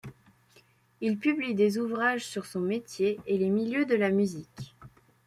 Il publie des ouvrages sur son métier et les milieux de la musique.